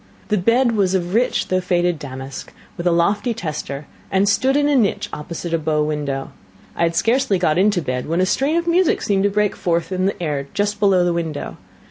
The bed was of rich though faded damask, with a lofty tester, and stood in a niche opposite a bow window. I had scarcely got into bed when a strain of music seemed to break forth in the air just below the window.